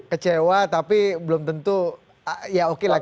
kecewa tapi belum tentu ya okelah